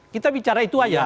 kita bicara itu aja